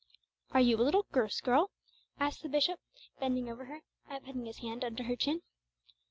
"Are you a little goose girl?" asked the bishop, bending over her, and putting his hand under her chin.